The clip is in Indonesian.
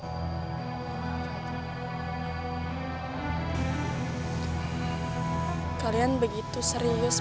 dia harap sekarang bisa dengan sukses